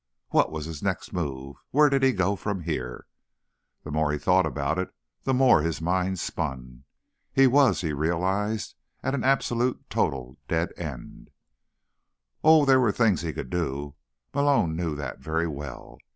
What was his next move? Where did he go from here? The more he thought about it, the more his mind spun. He was, he realized, at an absolute, total, dead end. Oh, there were things he could do. Malone knew that very well.